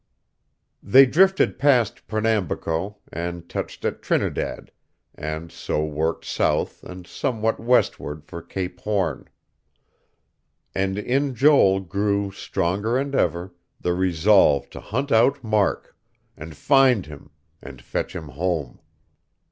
V They drifted past Pernambuco, and touched at Trinidad, and so worked south and somewhat westward for Cape Horn. And in Joel grew, stronger and ever, the resolve to hunt out Mark, and find him, and fetch him home....